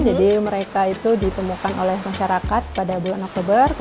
jadi mereka itu ditemukan oleh masyarakat pada bulan oktober